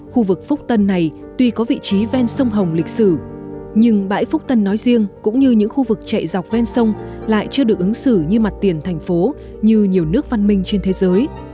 khu vực phúc tân này tuy có vị trí ven sông hồng lịch sử nhưng bãi phúc tân nói riêng cũng như những khu vực chạy dọc ven sông lại chưa được ứng xử như mặt tiền thành phố như nhiều nước văn minh trên thế giới